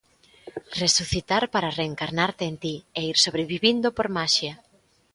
Resucitar para reencarnarte en ti e ir sobrevivindo por maxia.